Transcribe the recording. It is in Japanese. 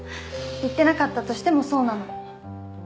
言ってなかったとしてもそうなの。